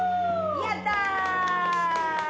やった！